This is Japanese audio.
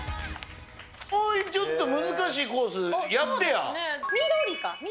もうちょっと難しいコースや緑か、緑。